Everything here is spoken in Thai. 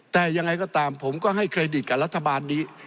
แต่ยังไงก็ตามผมก็ให้เครดิตกับรัฐบาลนี้